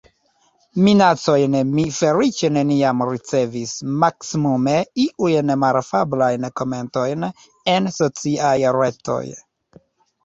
Minacojn mi feliĉe neniam ricevis, maksimume iujn malafablajn komentojn en sociaj retoj.